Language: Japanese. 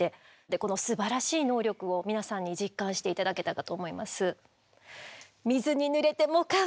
でこのすばらしい能力を皆さんに実感して頂けたかと思います。